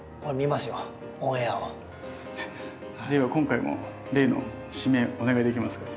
では今回も例の締めお願いできますか？